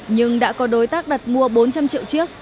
nhưng đã có đối tác đặt mua bốn trăm linh triệu chiếc